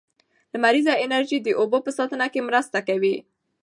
لمریزه انرژي د اوبو په ساتنه کې مرسته کوي.